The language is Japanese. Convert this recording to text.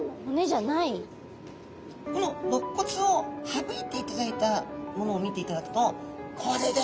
このろっ骨を省いていただいたものを見ていただくとこれですね。